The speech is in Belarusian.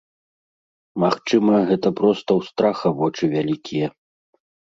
Магчыма, гэта проста ў страха вочы вялікія.